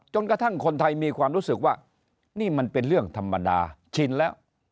กระทั่งคนไทยมีความรู้สึกว่านี่มันเป็นเรื่องธรรมดาชินแล้ว